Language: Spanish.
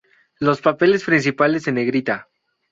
Los papeles principales en negrita